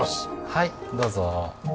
はいどうぞ。